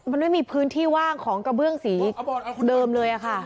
มันไม่มีพื้นที่ว่างของกระเบื้องสีเดิมเลยค่ะ